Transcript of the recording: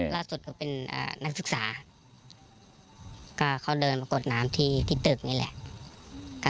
ล่าสุดเขาเป็นนักศึกษาก็เขาเดินมากดน้ำที่ตึกนี่แหละ